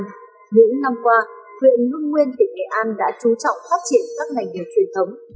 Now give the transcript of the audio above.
những năm qua huyện nguyên nguyên tỉnh nghệ an đã chú trọng phát triển các ngành đều truyền thống